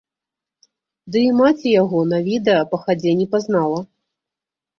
Ды і маці яго на відэа па хадзе не пазнала.